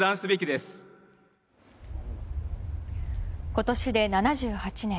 今年で７８年。